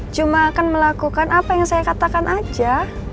cuma akan melakukan apa yang saya katakan aja